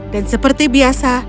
dan seperti biasa